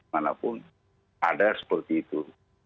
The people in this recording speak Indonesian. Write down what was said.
mana pun ada seperti itu